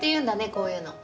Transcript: こういうの。